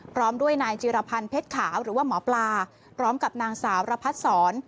พร้อมด้วยนายจิรพันธ์เพชรขาวหรือว่าหมอปลาพร้อมกับนางสาวระพัดศร